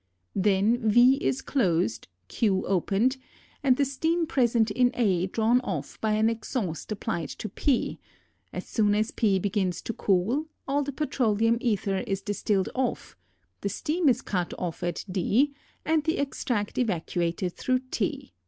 Then v is closed, q opened, and the steam present in A drawn off by an exhaust applied to p; as soon as p begins to cool, all the petroleum ether is distilled off, the steam is cut off at d, and the extract evacuated through t.